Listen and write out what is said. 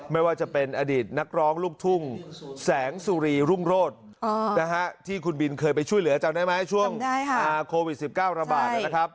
ไม่ว่าจะเป็นอดีตนักร้องลูกทุ่งแสงสุรีรุ่งโรธที่คุณบินเคยไปช่วยเหลือจำได้ไหมช่วงโควิด๑๙ระบาดนะครับ